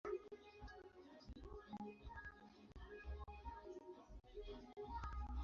Pia kuna wasemaji nchini Jamhuri ya Kongo.